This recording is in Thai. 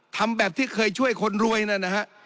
ทำแบบที่เคยช่วยคนรวยนั่นนะฮะ